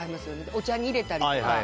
お茶に入れたりとか。